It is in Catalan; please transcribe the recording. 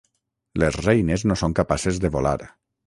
Les reines no són capaces de volar.